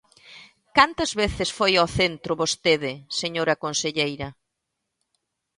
¿Cantas veces foi ao centro vostede, señora conselleira?